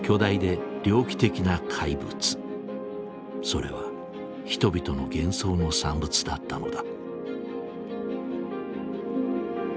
それは人々の幻想の産物だったのだ。